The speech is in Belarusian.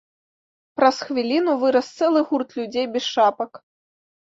Праз хвіліну вырас цэлы гурт людзей без шапак.